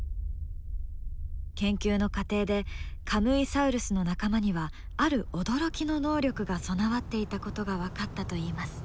研究の過程でカムイサウルスの仲間にはある驚きの能力が備わっていたことが分かったといいます。